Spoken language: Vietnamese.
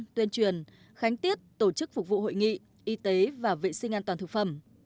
tuyên truyền khánh tiết tổ chức phục vụ hội nghị y tế và vệ sinh an toàn thực phẩm